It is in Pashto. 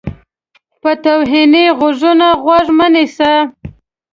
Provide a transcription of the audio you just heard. په توهیني غږونو غوږ مه نیسه.